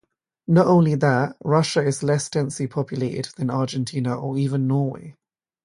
Not only that, Russia is less densely populated than Argentina or even Norway.